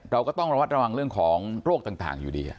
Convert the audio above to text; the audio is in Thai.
เราก็ต้องระวัดระวังเรื่องของโรคต่างอยู่ดี